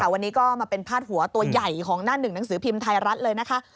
วันนี้ก็มาเป็นพาดหัวตัวใหญ่ของหน้าหนึ่งหนังสือพิมพ์ไทยรัฐเลยนะคะ